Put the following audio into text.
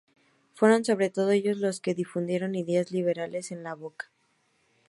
Fueron sobre todo ellos los que difundieron ideas liberales en La Boca.